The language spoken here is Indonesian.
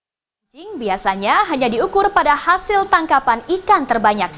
kucing biasanya hanya diukur pada hasil tangkapan ikan terbanyak